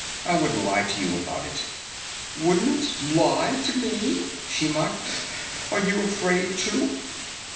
I wouldn't lie to you about it." "Wouldn't lie to me!" she mocked. "Are you afraid, too?"